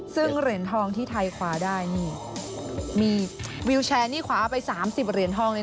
ซึ่งเหรียญทองที่ไทยควาได้มีวิวแชร์ควาไป๓๐เหรียญทอง